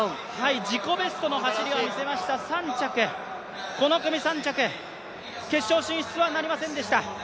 自己ベストの走りを見せました、この組３着、決勝進出はなりませんでした。